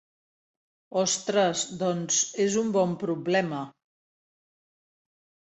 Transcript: Ostres, doncs és un bon problema.